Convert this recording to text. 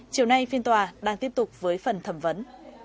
chiều nay phiên tòa đang tiếp tục với phần thẩm vấn